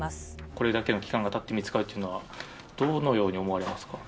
これだけの期間がたって見つかるというのは、どのように思われますか。